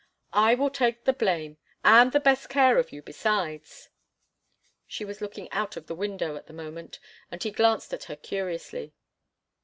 "I will take the blame—and the best of care of you, besides." She was looking out of the window at the moment, and he glanced at her curiously.